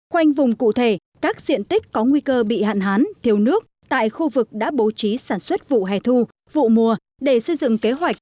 khoanh vùng cụ thể các diện tích có nguy cơ bị hạn hán thiếu nước tại khu vực đã bố trí sản xuất vụ hè thu vụ mùa để xây dựng kế hoạch